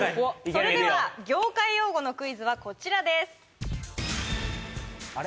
それでは業界用語のクイズはこちらです・あれ？